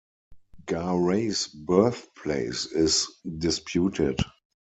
Garay's birthplace is disputed.